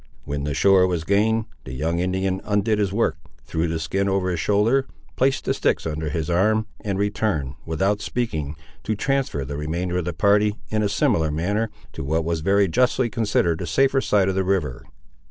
When the shore was gained, the young Indian undid his work, threw the skin over his shoulder, placed the sticks under his arm, and returned, without speaking, to transfer the remainder of the party, in a similar manner, to what was very justly considered the safer side of the river.